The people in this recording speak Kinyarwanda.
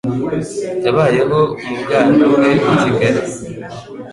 Yabayeho mu bwana bwe i Kigali.